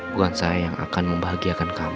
bukan saya yang akan membahagiakan kami